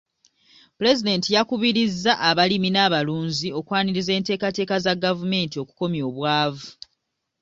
Pulezidenti yakubiriza abalimi n'abalunzi okwaniriza enteekateeka za gavumenti okukomya obwavu.